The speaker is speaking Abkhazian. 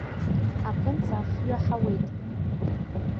Аԥынҵа афҩы аҳауеит.